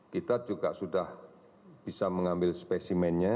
kita juga sudah bisa mengambil spesimennya